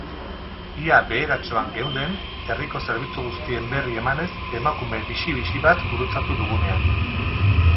Ia beheratxoan geunden herriko zerbitzu guztien berri emanez emakume bixi-bixi bat gurutzatu dugunean.